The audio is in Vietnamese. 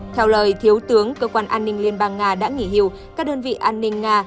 theo lời thiếu tướng cơ quan an ninh liên bang nga đã nghỉ hưu các đơn vị an ninh nga